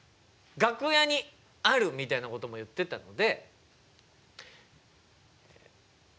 楽屋にあるみたいなことも言ってたので。